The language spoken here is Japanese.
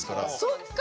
そっか。